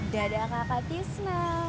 dadah kakak tisna